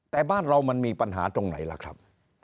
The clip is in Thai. แต่บ้านเรามันมีปัญหาตรงไหนล่ะครับ